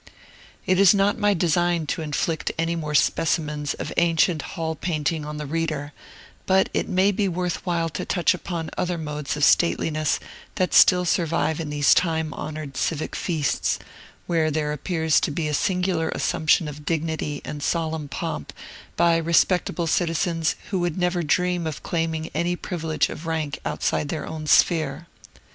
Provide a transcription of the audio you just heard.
It is not my design to inflict any more specimens of ancient hall painting on the reader; but it may be worth while to touch upon other modes of stateliness that still survive in these time honored civic feasts, where there appears to be a singular assumption of dignity and solemn pomp by respectable citizens who would never dream of claiming any privilege of rank outside of their own sphere.